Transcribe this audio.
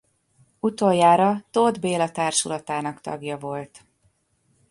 Utoljára Tóth Béla társulatának tagja volt.